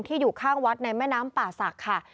อยู่ข้างวัดในแม่น้ำป่าศักดิ์ค่ะ